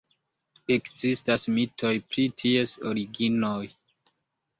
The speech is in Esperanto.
Ekzistas mitoj pri ties originoj.